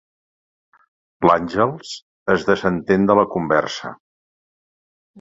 L'Àngels es desentén de la conversa.